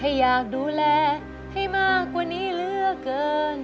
อยากดูแลให้มากกว่านี้เหลือเกิน